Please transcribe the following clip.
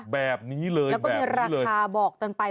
แล้วก็มีราคาบอกตันไปต่าง